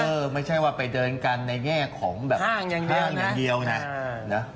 เออไม่ใช่ว่าไปเดินกันแบบห้างในเงียงห้างแย่งเดียวนะ